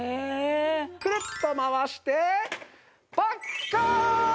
くるっと回してパッカーン！